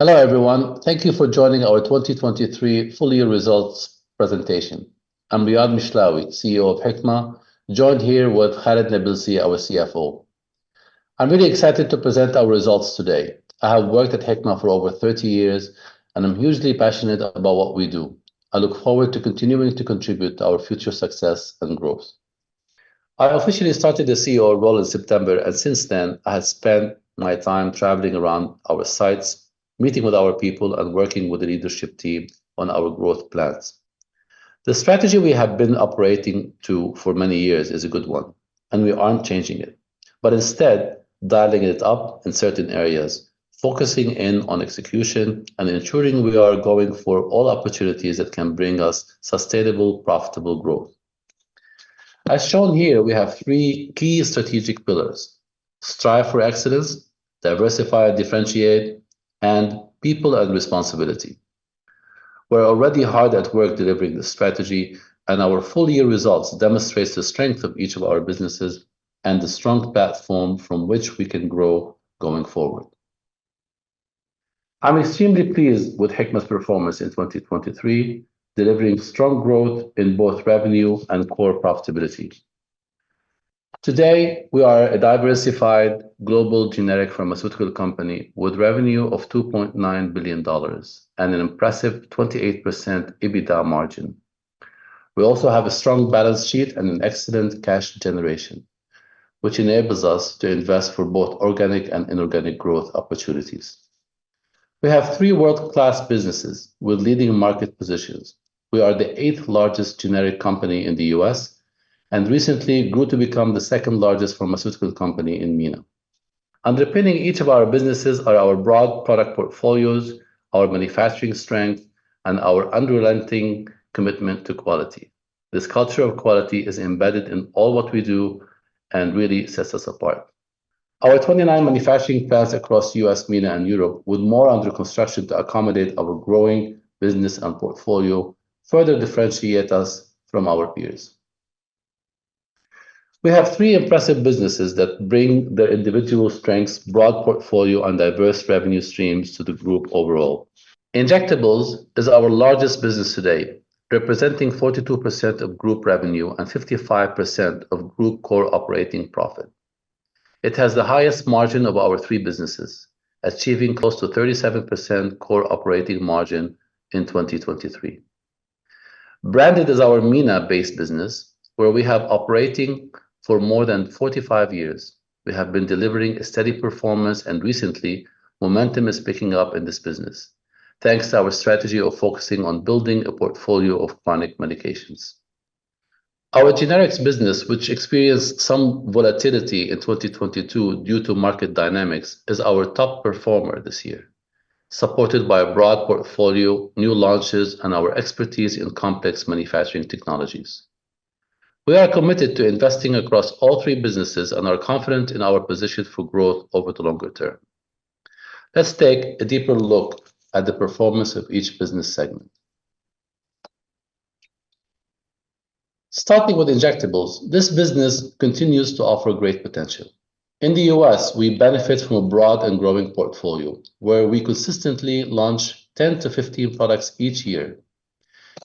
Hello, everyone. Thank you for joining our 2023 full year results presentation. I'm Riad Mishlawi, CEO of Hikma, joined here with Khalid Nabilsi, our CFO. I'm really excited to present our results today. I have worked at Hikma for over 30 years, and I'm hugely passionate about what we do. I look forward to continuing to contribute to our future success and growth. I officially started the CEO role in September, and since then, I have spent my time traveling around our sites, meeting with our people, and working with the leadership team on our growth plans. The strategy we have been operating to for many years is a good one, and we aren't changing it, but instead dialing it up in certain areas, focusing in on execution and ensuring we are going for all opportunities that can bring us sustainable, profitable growth. As shown here, we have three key strategic pillars: strive for excellence, diversify, differentiate, and people and responsibility. We're already hard at work delivering the strategy, and our full year results demonstrates the strength of each of our businesses and the strong platform from which we can grow going forward. I'm extremely pleased with Hikma's performance in 2023, delivering strong growth in both revenue and core profitability. Today, we are a diversified global generic pharmaceutical company with revenue of $2.9 billion and an impressive 28% EBITDA margin. We also have a strong balance sheet and an excellent cash generation, which enables us to invest for both organic and inorganic growth opportunities. We have three world-class businesses with leading market positions. We are the 8th-largest generic company in the U.S., and recently grew to become the second-largest pharmaceutical company in MENA. Underpinning each of our businesses are our broad product portfolios, our manufacturing strength, and our unrelenting commitment to quality. This culture of quality is embedded in all what we do and really sets us apart. Our 29 manufacturing plants across U.S., MENA, and Europe, with more under construction to accommodate our growing business and portfolio, further differentiate us from our peers. We have three impressive businesses that bring their individual strengths, broad portfolio, and diverse revenue streams to the group overall. Injectables is our largest business today, representing 42% of group revenue and 55% of group Core Operating Profit. It has the highest margin of our three businesses, achieving close to 37% Core Operating Margin in 2023. Branded is our MENA-based business, where we have operating for more than 45 years. We have been delivering a steady performance, and recently, momentum is picking up in this business, thanks to our strategy of focusing on building a portfolio of chronic medications. Our Generics business, which experienced some volatility in 2022 due to market dynamics, is our top performer this year, supported by a broad portfolio, new launches, and our expertise in complex manufacturing technologies. We are committed to investing across all three businesses and are confident in our position for growth over the longer term. Let's take a deeper look at the performance of each business segment. Starting with Injectables, this business continues to offer great potential. In the U.S., we benefit from a broad and growing portfolio, where we consistently launch 10-15 products each year.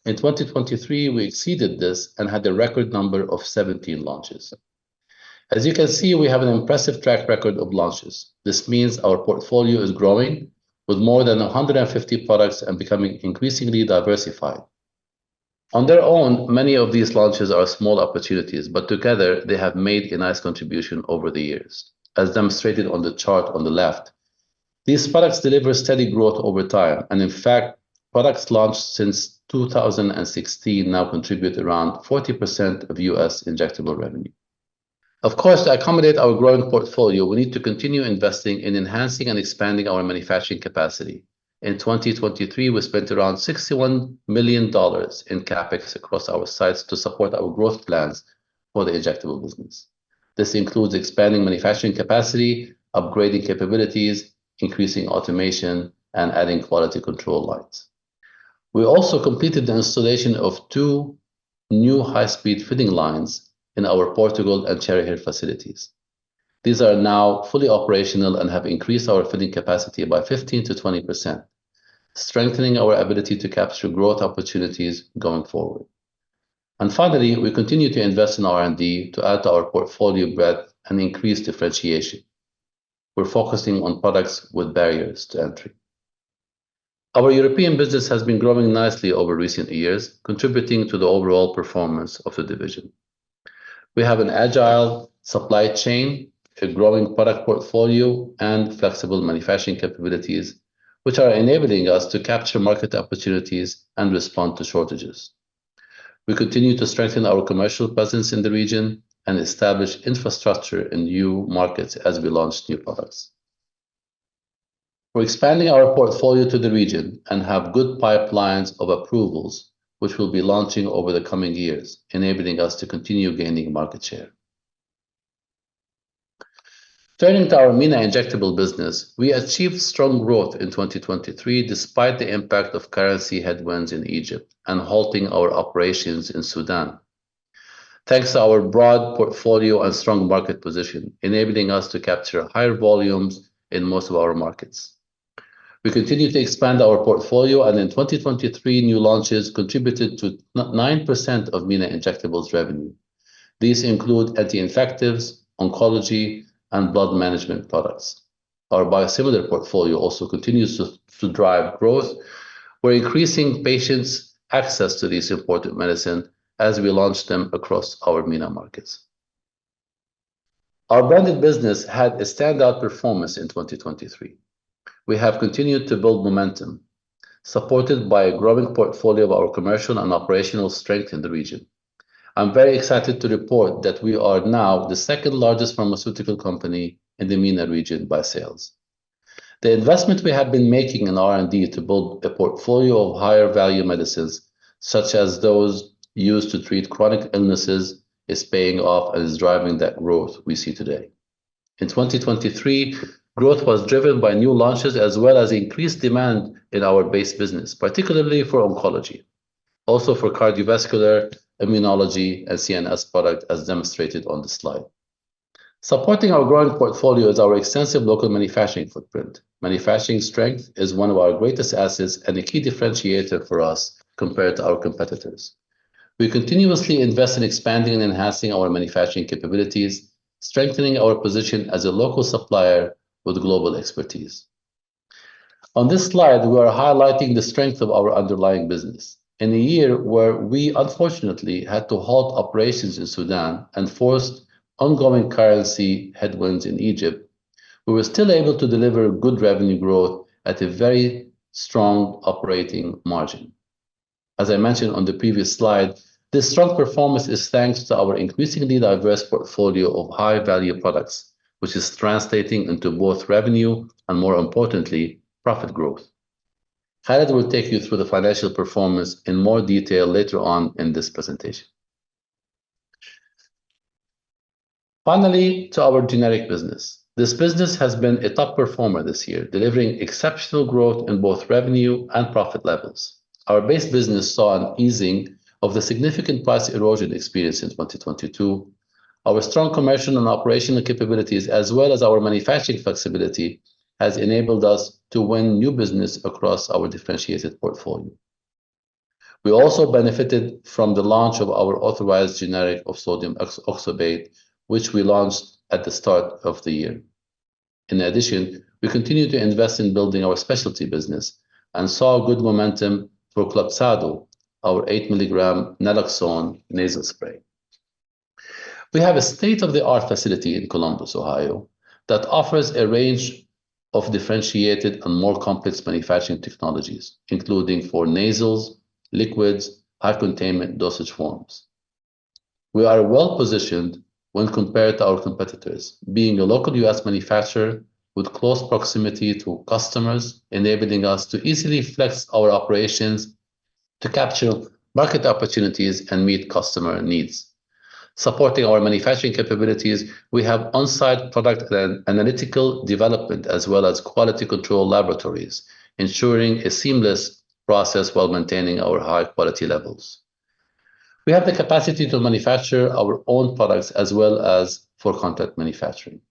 In 2023, we exceeded this and had a record number of 17 launches. As you can see, we have an impressive track record of launches. This means our portfolio is growing with more than 150 products and becoming increasingly diversified. On their own, many of these launches are small opportunities, but together they have made a nice contribution over the years, as demonstrated on the chart on the left. These products deliver steady growth over time, and in fact, products launched since 2016 now contribute around 40% of U.S. injectable revenue. Of course, to accommodate our growing portfolio, we need to continue investing in enhancing and expanding our manufacturing capacity. In 2023, we spent around $61 million in CapEx across our sites to support our growth plans for the injectable business. This includes expanding manufacturing capacity, upgrading capabilities, increasing automation, and adding quality control lines. We also completed the installation of two new high-speed filling lines in our Portugal and Cherry Hill facilities. These are now fully operational and have increased our filling capacity by 15%-20%, strengthening our ability to capture growth opportunities going forward. Finally, we continue to invest in R&D to add to our portfolio breadth and increase differentiation. We're focusing on products with barriers to entry. Our European business has been growing nicely over recent years, contributing to the overall performance of the division. We have an agile supply chain, a growing product portfolio, and flexible manufacturing capabilities, which are enabling us to capture market opportunities and respond to shortages. We continue to strengthen our commercial presence in the region and establish infrastructure in new markets as we launch new products. We're expanding our portfolio to the region and have good pipelines of approvals, which we'll be launching over the coming years, enabling us to continue gaining market share. Turning to our MENA injectable business, we achieved strong growth in 2023, despite the impact of currency headwinds in Egypt and halting our operations in Sudan. Thanks to our broad portfolio and strong market position, enabling us to capture higher volumes in most of our markets. We continue to expand our portfolio, and in 2023, new launches contributed to 9% of MENA injectables revenue. These include anti-infectives, oncology, and blood management products. Our biosimilar portfolio also continues to drive growth. We're increasing patients' access to this important medicine as we launch them across our MENA markets. Our branded business had a standout performance in 2023. We have continued to build momentum, supported by a growing portfolio of our commercial and operational strength in the region. I'm very excited to report that we are now the second-largest pharmaceutical company in the MENA region by sales. The investment we have been making in R&D to build a portfolio of higher-value medicines, such as those used to treat chronic illnesses, is paying off and is driving that growth we see today. In 2023, growth was driven by new launches, as well as increased demand in our base business, particularly for oncology, also for cardiovascular, immunology, and CNS product, as demonstrated on the slide. Supporting our growing portfolio is our extensive local manufacturing footprint. Manufacturing strength is one of our greatest assets and a key differentiator for us compared to our competitors. We continuously invest in expanding and enhancing our manufacturing capabilities, strengthening our position as a local supplier with global expertise. On this slide, we are highlighting the strength of our underlying business. In a year where we unfortunately had to halt operations in Sudan and faced ongoing currency headwinds in Egypt, we were still able to deliver good revenue growth at a very strong operating margin. As I mentioned on the previous slide, this strong performance is thanks to our increasingly diverse portfolio of high-value products, which is translating into both revenue and, more importantly, profit growth. Khalid will take you through the financial performance in more detail later on in this presentation. Finally, to our generic business. This business has been a top performer this year, delivering exceptional growth in both revenue and profit levels. Our base business saw an easing of the significant price erosion experienced in 2022. Our strong commercial and operational capabilities, as well as our manufacturing flexibility, has enabled us to win new business across our differentiated portfolio. We also benefited from the launch of our authorized generic of sodium oxybate, which we launched at the start of the year. In addition, we continued to invest in building our specialty business and saw good momentum through KLOXXADO, our 8 mg naloxone nasal spray. We have a state-of-the-art facility in Columbus, Ohio, that offers a range of differentiated and more complex manufacturing technologies, including for nasals, liquids, high-containment dosage forms. We are well-positioned when compared to our competitors, being a local U.S. manufacturer with close proximity to customers, enabling us to easily flex our operations to capture market opportunities and meet customer needs. Supporting our manufacturing capabilities, we have on-site product analytical development, as well as quality control laboratories, ensuring a seamless process while maintaining our high-quality levels. We have the capacity to manufacture our own products as well as for contract manufacturing.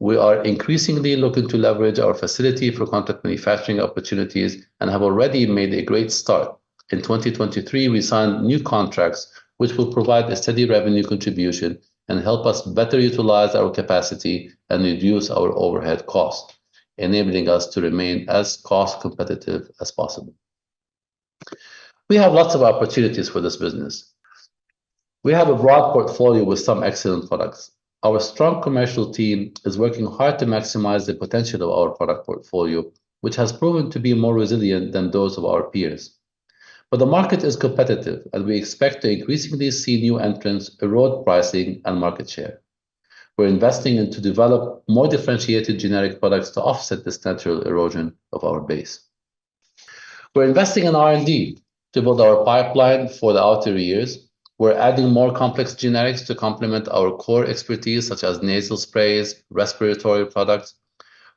We are increasingly looking to leverage our facility for contract manufacturing opportunities and have already made a great start. In 2023, we signed new contracts, which will provide a steady revenue contribution and help us better utilize our capacity and reduce our overhead cost, enabling us to remain as cost-competitive as possible. We have lots of opportunities for this business. We have a broad portfolio with some excellent products. Our strong commercial team is working hard to maximize the potential of our product portfolio, which has proven to be more resilient than those of our peers. But the market is competitive, and we expect to increasingly see new entrants erode pricing and market share. We're investing in to develop more differentiated generic products to offset this natural erosion of our base. We're investing in R&D to build our pipeline for the outer years. We're adding more complex generics to complement our core expertise, such as nasal sprays, respiratory products.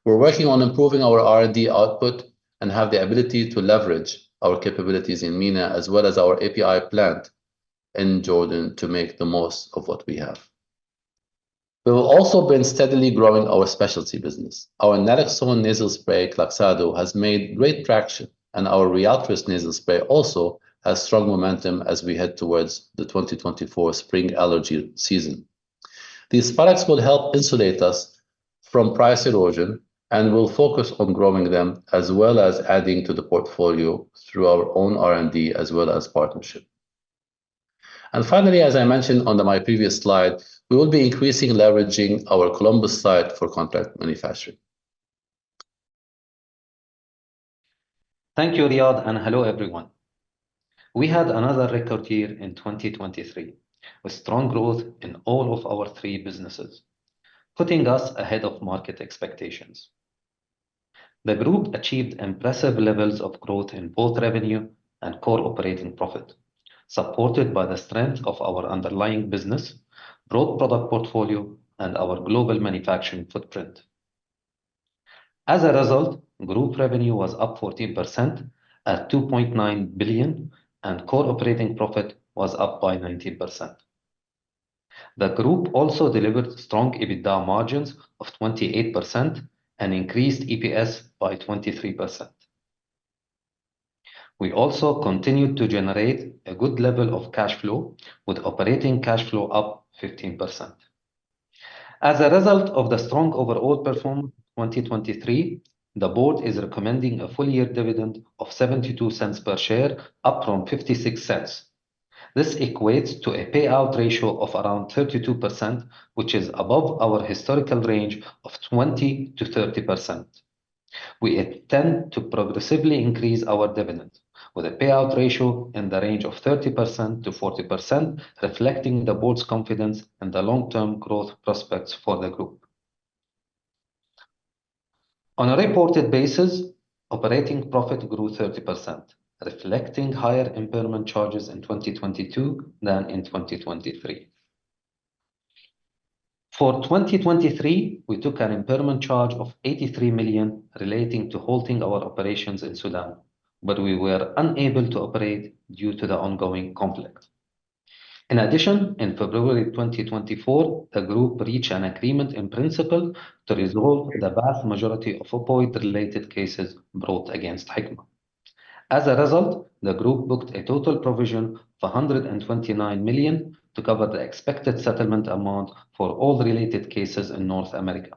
We're working on improving our R&D output and have the ability to leverage our capabilities in MENA, as well as our API plant in Jordan, to make the most of what we have. We will also been steadily growing our specialty business. Our naloxone nasal spray, KLOXXADO, has made great traction, and our Ryaltris nasal spray also has strong momentum as we head towards the 2024 spring allergy season. These products will help insulate us from price erosion, and we'll focus on growing them, as well as adding to the portfolio through our own R&D, as well as partnership. Finally, as I mentioned on my previous slide, we will be increasing leveraging our Columbus site for contract manufacturing. Thank you, Riad, and hello, everyone. We had another record year in 2023, with strong growth in all of our three businesses, putting us ahead of market expectations. The group achieved impressive levels of growth in both revenue and core operating profit, supported by the strength of our underlying business, broad product portfolio, and our global manufacturing footprint. As a result, group revenue was up 14% at $2.9 billion, and core operating profit was up by 19%. The group also delivered strong EBITDA margins of 28% and increased EPS by 23%. We also continued to generate a good level of cash flow, with operating cash flow up 15%. As a result of the strong overall performance in 2023, the board is recommending a full-year dividend of $0.72 per share, up from $0.56. This equates to a payout ratio of around 32%, which is above our historical range of 20%-30%. We intend to progressively increase our dividend with a payout ratio in the range of 30%-40%, reflecting the board's confidence in the long-term growth prospects for the group. On a reported basis, operating profit grew 30%, reflecting higher impairment charges in 2022 than in 2023. For 2023, we took an impairment charge of $83 million relating to halting our operations in Sudan, but we were unable to operate due to the ongoing conflict. In addition, in February 2024, the group reached an agreement in principle to resolve the vast majority of opioid-related cases brought against Hikma. As a result, the group booked a total provision of $129 million to cover the expected settlement amount for all related cases in North America.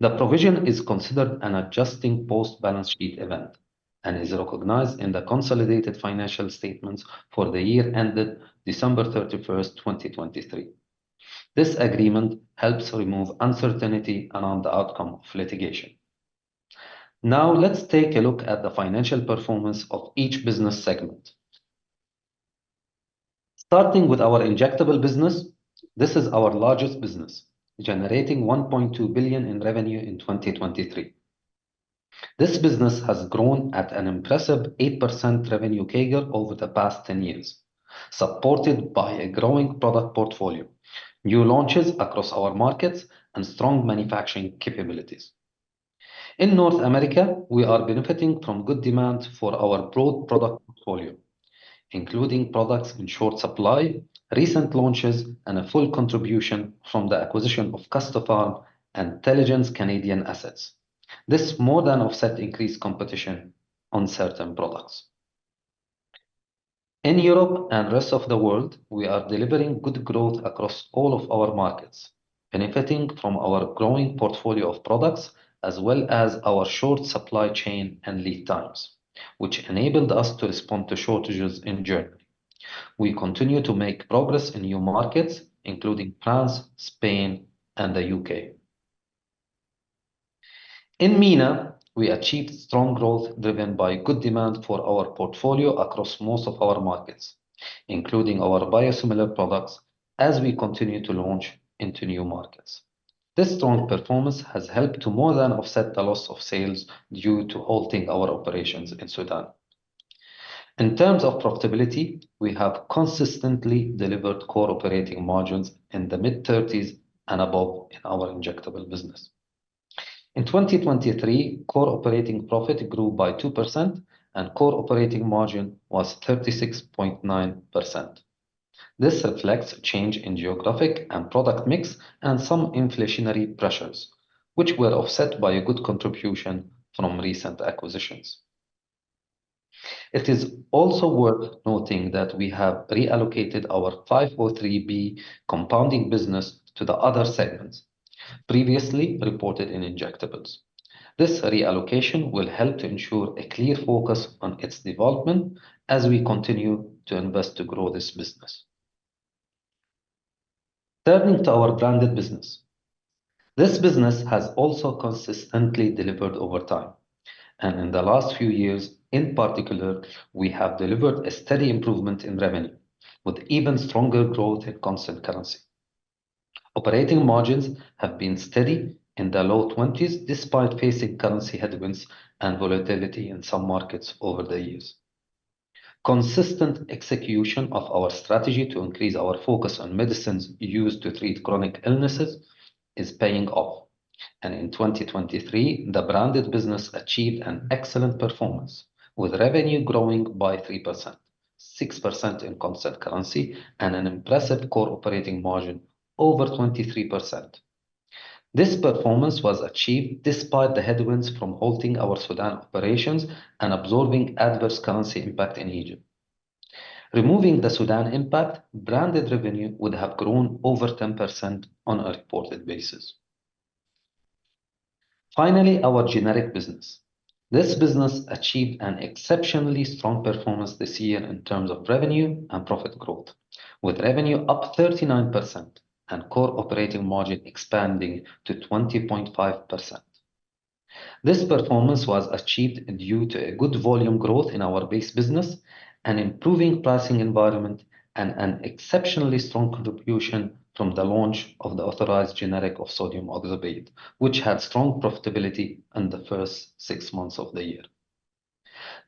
The provision is considered an adjusting post-balance sheet event and is recognized in the consolidated financial statements for the year ended December 31st, 2023. This agreement helps remove uncertainty around the outcome of litigation. Now, let's take a look at the financial performance of each business segment. Starting with our injectable business, this is our largest business, generating $1.2 billion in revenue in 2023. This business has grown at an impressive 8% revenue CAGR over the past 10 years, supported by a growing product portfolio, new launches across our markets, and strong manufacturing capabilities. In North America, we are benefiting from good demand for our broad product portfolio, including products in short supply, recent launches, and a full contribution from the acquisition of Custopharm and Teligent Canadian assets. This more than offset increased competition on certain products. In Europe and rest of the world, we are delivering good growth across all of our markets, benefiting from our growing portfolio of products, as well as our short supply chain and lead times, which enabled us to respond to shortages in Germany. We continue to make progress in new markets, including France, Spain, and the U.K. In MENA, we achieved strong growth, driven by good demand for our portfolio across most of our markets, including our biosimilar products, as we continue to launch into new markets. This strong performance has helped to more than offset the loss of sales due to halting our operations in Sudan. In terms of profitability, we have consistently delivered core operating margins in the mid-30s and above in our injectable business. In 2023, core operating profit grew by 2% and core operating margin was 36.9%. This reflects change in geographic and product mix and some inflationary pressures, which were offset by a good contribution from recent acquisitions. It is also worth noting that we have reallocated our 503B compounding business to the other segments previously reported in injectables. This reallocation will help to ensure a clear focus on its development as we continue to invest to grow this business. Turning to our branded business. This business has also consistently delivered over time, and in the last few years in particular, we have delivered a steady improvement in revenue with even stronger growth in constant currency. Operating margins have been steady in the low 20s, despite facing currency headwinds and volatility in some markets over the years. Consistent execution of our strategy to increase our focus on medicines used to treat chronic illnesses is paying off, and in 2023, the branded business achieved an excellent performance, with revenue growing by 3%, 6% in constant currency, and an impressive core operating margin over 23%. This performance was achieved despite the headwinds from halting our Sudan operations and absorbing adverse currency impact in Egypt. Removing the Sudan impact, branded revenue would have grown over 10% on a reported basis. Finally, our generic business. This business achieved an exceptionally strong performance this year in terms of revenue and profit growth, with revenue up 39% and core operating margin expanding to 20.5%. This performance was achieved due to a good volume growth in our base business, an improving pricing environment, and an exceptionally strong contribution from the launch of the authorized generic of sodium oxybate, which had strong profitability in the first six months of the year.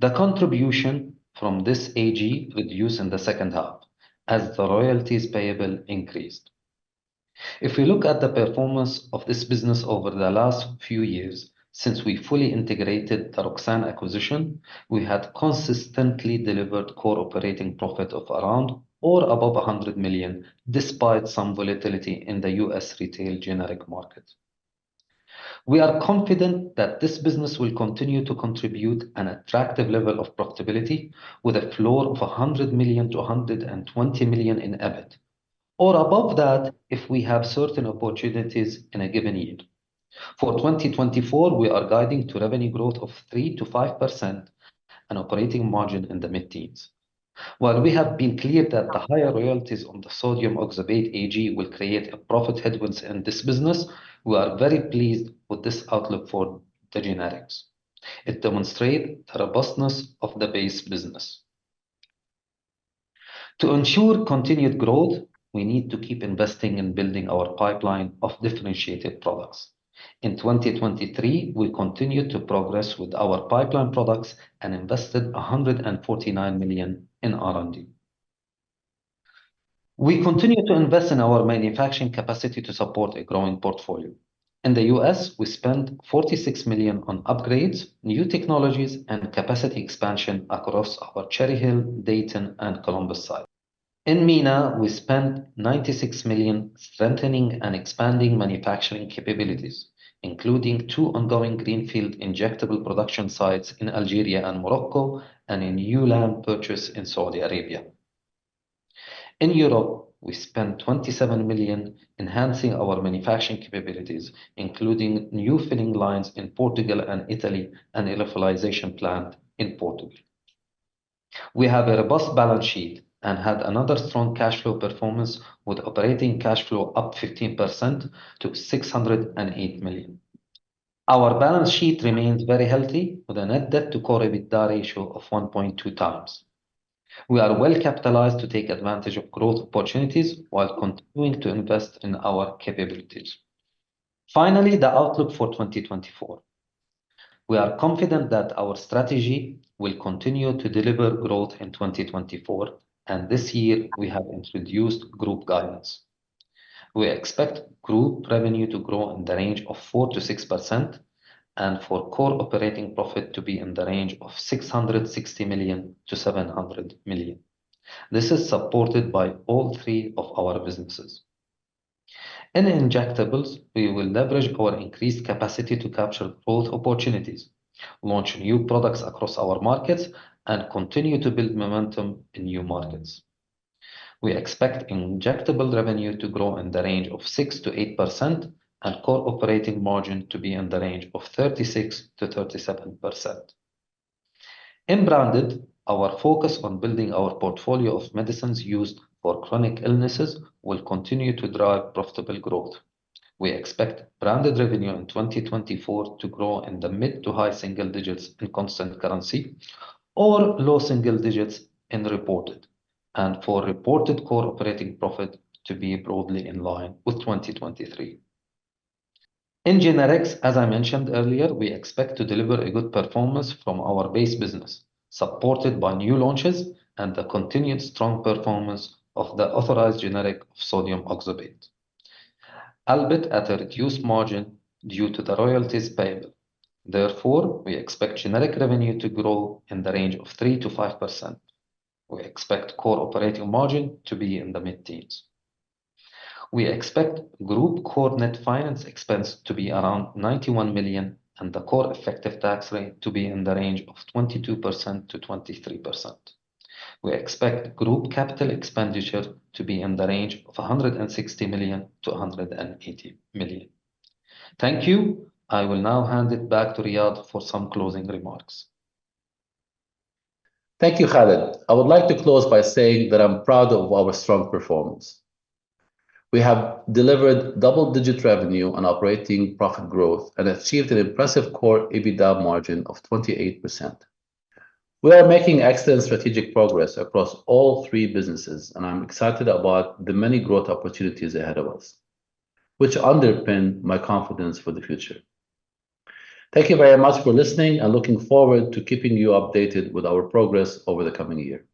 The contribution from this AG reduced in the second half, as the royalties payable increased. If we look at the performance of this business over the last few years, since we fully integrated the Roxane acquisition, we had consistently delivered core operating profit of around or above $100 million, despite some volatility in the U.S. retail generic market. We are confident that this business will continue to contribute an attractive level of profitability with a floor of $100 million-$120 million in EBIT, or above that, if we have certain opportunities in a given year. For 2024, we are guiding to revenue growth of 3%-5% and operating margin in the mid-teens. While we have been clear that the higher royalties on the sodium oxybate AG will create a profit headwinds in this business, we are very pleased with this outlook for the generics. It demonstrate the robustness of the base business. To ensure continued growth, we need to keep investing in building our pipeline of differentiated products. In 2023, we continued to progress with our pipeline products and invested $149 million in R&D. We continue to invest in our manufacturing capacity to support a growing portfolio. In the U.S., we spent $46 million on upgrades, new technologies, and capacity expansion across our Cherry Hill, Dayton, and Columbus site. In MENA, we spent $96 million strengthening and expanding manufacturing capabilities, including two ongoing greenfield injectable production sites in Algeria and Morocco, and a new land purchase in Saudi Arabia. In Europe, we spent $27 million enhancing our manufacturing capabilities, including new filling lines in Portugal and Italy, and a localization plant in Portugal. We have a robust balance sheet and had another strong cash flow performance, with operating cash flow up 15% to $608 million. Our balance sheet remains very healthy, with a net debt to Core EBITDA ratio of 1.2x. We are well-capitalized to take advantage of growth opportunities while continuing to invest in our capabilities. Finally, the outlook for 2024. We are confident that our strategy will continue to deliver growth in 2024, and this year we have introduced group guidance. We expect group revenue to grow in the range of 4%-6% and for core operating profit to be in the range of $660 million-$700 million. This is supported by all three of our businesses. In injectables, we will leverage our increased capacity to capture growth opportunities, launch new products across our markets, and continue to build momentum in new markets. We expect injectable revenue to grow in the range of 6%-8% and core operating margin to be in the range of 36%-37%. In branded, our focus on building our portfolio of medicines used for chronic illnesses will continue to drive profitable growth. We expect branded revenue in 2024 to grow in the mid to high single digits in constant currency, or low single digits in reported, and for reported core operating profit to be broadly in line with 2023. In generics, as I mentioned earlier, we expect to deliver a good performance from our base business, supported by new launches and the continued strong performance of the authorized generic sodium oxybate, albeit at a reduced margin due to the royalties payable. Therefore, we expect generic revenue to grow in the range of 3%-5%. We expect core operating margin to be in the mid-teens. We expect group core net finance expense to be around $91 million, and the core effective tax rate to be in the range of 22%-23%. We expect group capital expenditure to be in the range of $160 million-$180 million. Thank you. I will now hand it back to Riad for some closing remarks. Thank you, Khalid. I would like to close by saying that I'm proud of our strong performance. We have delivered double-digit revenue and operating profit growth and achieved an impressive Core EBITDA margin of 28%. We are making excellent strategic progress across all three businesses, and I'm excited about the many growth opportunities ahead of us, which underpin my confidence for the future. Thank you very much for listening and looking forward to keeping you updated with our progress over the coming year.